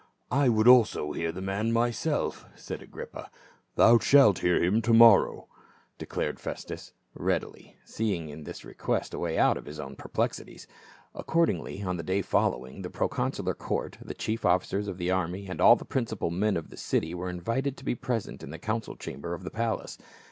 " I would also hear the man myself," said Agrippa. "Thou shalt hear him to morrow," declared Festus readily, seeing in this request a way out of his own perplexities. Accordingly on the day following, the proconsular court, the chief officers of the army and all the principal men of the city were invited to be present in the council chamber of the palace.